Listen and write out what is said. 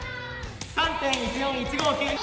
３．１４１５９２。